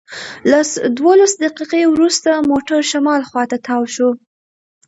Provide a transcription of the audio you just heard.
لس دولس دقیقې وروسته موټر شمال خواته تاو شو.